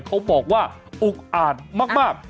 เขาบอกว่าอุกอาจมาก